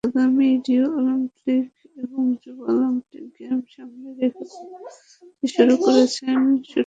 আগামী Rio Olympic এবং যুব অলিম্পিক গেমস সামনে রেখে প্রস্তুতি শুরু করেছেন শ্যুটাররা।